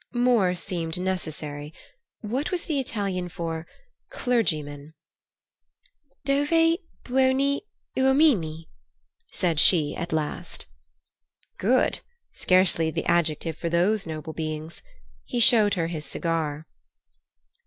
More seemed necessary. What was the Italian for "clergyman"? "Dove buoni uomini?" said she at last. Good? Scarcely the adjective for those noble beings! He showed her his cigar.